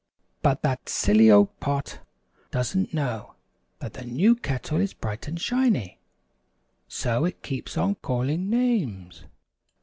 "But that silly old Pot doesn't know that the new Kettle is bright and shiny, so it keeps on calling names.